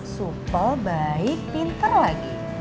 supel baik pinter lagi